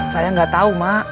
saya enggak tahu mak